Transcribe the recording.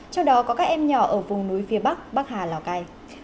trong đó có các em nhỏ ở vùng núi phía bắc bắc hà lào cai